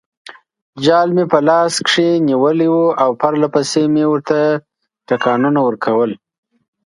جال مې په لاس کې نیولی وو او پرلپسې مې ورته ټکانونه ورکول.